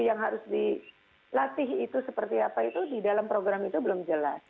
yang harus dilatih itu seperti apa itu di dalam program itu belum jelas